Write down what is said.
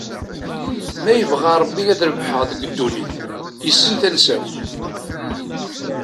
Ma yebɣa Rebbi ad rebḥeɣ deg ddunit, yessen tansa-w.